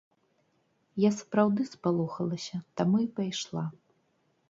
Я сапраўды спалохалася, таму і пайшла.